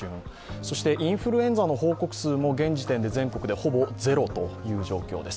そしてインフルエンザの報告数も現時点で全国でほぼ０という報告です。